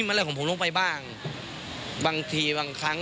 ไม่ได้หัวรุนแรงหน่อยจริง